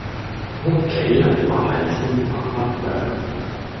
屋企人話係消化不良